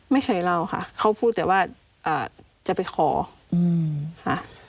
ไม่เคยเล่าค่ะเขาพูดแต่ว่าจะไปขอค่ะ